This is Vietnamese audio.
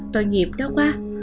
tội nghiệp nó quá